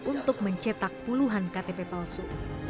untuk mencetak puluhan ktp palsu